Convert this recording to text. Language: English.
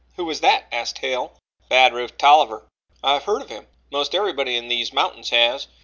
"Who was that?" asked Hale. "Bad Rufe Tolliver." "I've heard of him." "Most everybody in these mountains has.